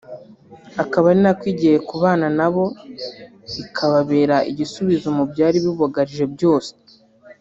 akaba ari nako igihe kubana nabo ikababera igisubizo mu byari bibugarije byose